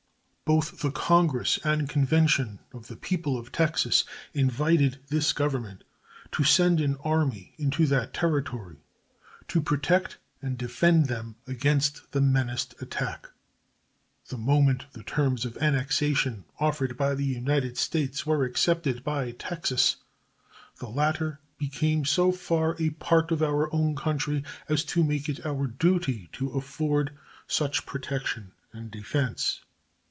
Both the Congress and convention of the people of Texas invited this Government to send an army into that territory to protect and defend them against the menaced attack. The moment the terms of annexation offered by the United States were accepted by Texas the latter became so far a part of our own country as to make it our duty to afford such protection and defense.